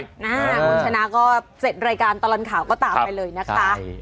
คุณชนะก็เสร็จรายการตลอดข่าวก็ตามไปเลยนะคะ